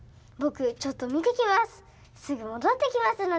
ぼくちょっとみてきます。